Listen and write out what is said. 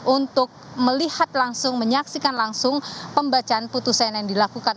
untuk melihat langsung menyaksikan langsung pembacaan putusan yang dilakukan